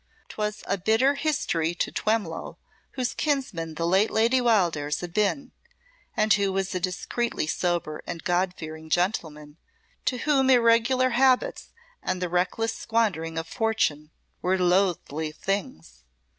'Twas a bitter history to Twemlow, whose kinsman the late Lady Wildairs had been, and who was a discreetly sober and God fearing gentleman, to whom irregular habits and the reckless squandering of fortune were loathly things.